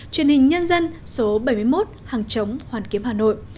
truyền hình nhân dân số bảy mươi một hàng chống hoàn kiếm hà nội